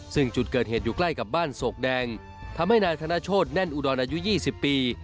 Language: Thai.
ซึ่งจุดเกิดเหตุอยู่ใกล้กับบ้านโศกแดงทำให้นายธนโชธแน่นอุดรอายุ๒๐ปี